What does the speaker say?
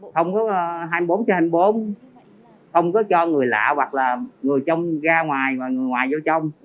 không có hai mươi bốn trên hai mươi bốn không có cho người lạ hoặc là người trong ra ngoài và người ngoài vô trong